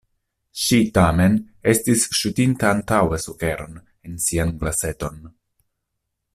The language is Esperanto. Ŝi tamen estis ŝutinta antaŭe sukeron en sian glaseton.